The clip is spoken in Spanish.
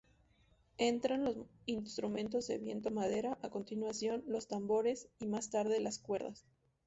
Entran los instrumentos de viento-madera, a continuación, los tambores y más tarde las cuerdas.